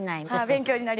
勉強になります。